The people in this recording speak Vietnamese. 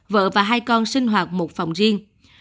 vợ và hai con sinh hoạt một phòng riêng